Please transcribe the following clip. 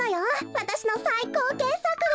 わたしのさいこうけっさくが。